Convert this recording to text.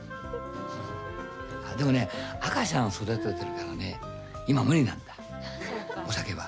あ、でもね赤ちゃん育ててるからね今、無理なんだ、お酒は。